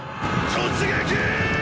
突撃！！